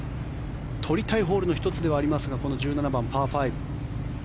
取りたいホールの１つではありますがこの１７番、パー５。